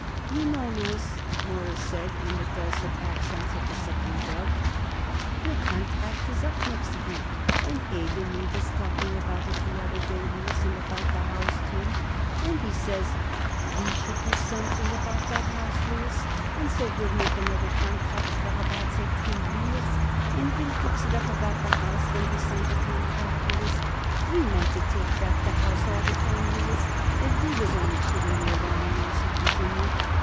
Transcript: "You know, Louis," Morris said in the dulcet accents of the sucking dove, "your contract is up next week, and Abe and me was talking about it the other day, Louis, and about the house, too, and we says we should do something about that house, Louis, and so we'll make another contract for about, say, three years, and we'll fix it up about the house when we all sign the contract, Louis. We meant to take back the house all the time, Louis. We was only kidding you along, Louis," he continued.